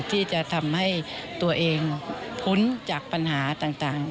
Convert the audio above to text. ที่จะทำให้ตัวเองพ้นจากปัญหาต่าง